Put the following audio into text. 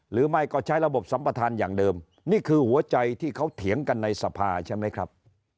หรือไม่ก็ใช้ระบบสัมประธานอย่างเดิมนี่คือหัวใจที่เขาเถียงกันในสภาใช่ไหมครับ